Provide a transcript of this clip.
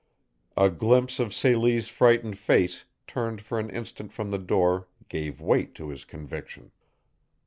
A glimpse of Celie's frightened face turned for an instant from the door gave weight to his conviction.